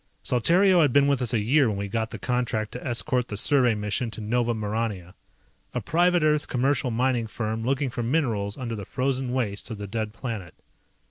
Saltario had been with us a year when we got the contract to escort the survey mission to Nova Maurania. A private Earth commercial mining firm looking for minerals under the frozen wastes of the dead planet.